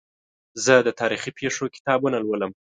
زه د تاریخي پېښو کتابونه لولم.